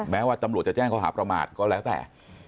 แม้ว่าตำรวจจะแจ้งเขาหาประมาทก็แล้วแต่